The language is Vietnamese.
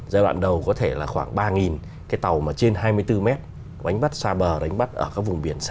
giai đoạn đầu có thể là khoảng ba cái tàu mà trên hai mươi bốn mét đánh bắt xa bờ đánh bắt ở các vùng biển xa